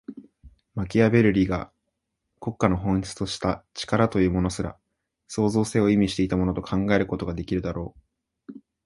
マキアヴェルリが国家の本質とした「力」というものすら、創造性を意味していたものと考えることができるであろう。